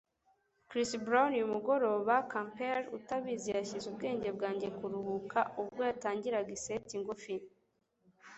Chris Brown, uyu mugoroba compeer utabizi yashyize ubwenge bwanjye kuruhuka ubwo yatangiraga iseti ngufi.